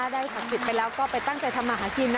ศักดิ์สิทธิ์ไปแล้วก็ไปตั้งใจทำมาหากินนะ